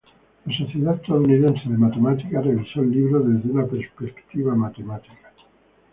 La Sociedad Estadounidense de Matemática revisó el libro desde una perspectiva matemática.